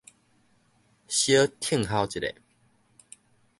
小聽候一下